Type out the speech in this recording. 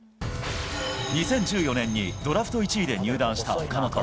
２０１４年にドラフト１位で入団した岡本。